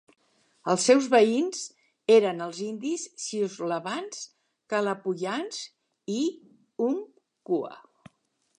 Els seus veïns eren els indis siuslawans, kalapuyans i umpqua.